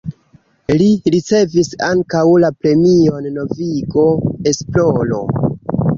Li ricevis ankaŭ la Premion Novigo Esploro.